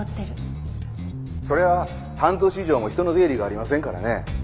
そりゃあ半年以上も人の出入りがありませんからね。